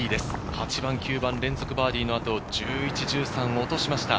８番・９番連続バーディーの後、１１、１３を落としました。